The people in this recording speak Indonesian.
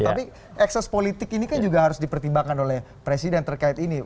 tapi ekses politik ini kan juga harus dipertimbangkan oleh presiden terkait ini